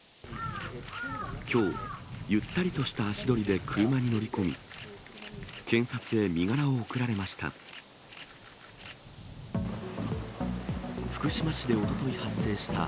きょう、ゆったりとした足取りで車に乗り込み、検察へ身柄を送られました。